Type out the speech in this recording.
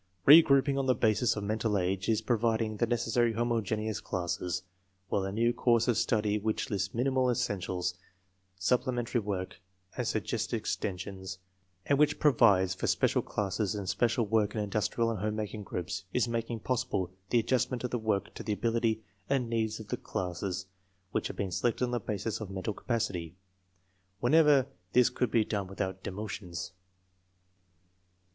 Re grouping on the basis of mental age is providing the necessary homogeneous classes, while a new course of study which lists minimum essentials, supplementary work, and suggested extensions, and which provides for special classes and special work in industrial and home making groups, is making possible the adjustment of the work to the ability and needs of the classes which have been selected on the basis of mental capacity, whenever this could be done without demotions.